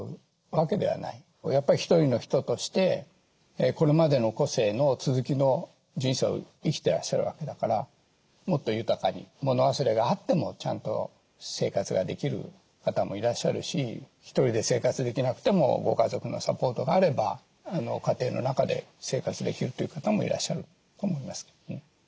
やっぱり一人の人としてこれまでの個性の続きの人生を生きてらっしゃるわけだからもっと豊かに物忘れがあってもちゃんと生活ができる方もいらっしゃるし一人で生活できなくてもご家族のサポートがあれば家庭の中で生活できるという方もいらっしゃると思います。